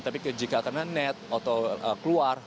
tapi jika kena net atau keluar